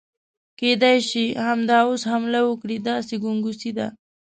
کېدای شي همدا اوس حمله وکړي، داسې ګنګوسې دي.